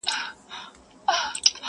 فقط شکل مو بدل دی د دامونو!.